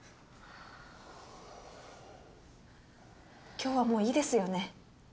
今日はもういいですよね？